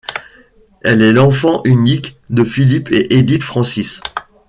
Elle est l'enfant unique de Philip et Edith Francis.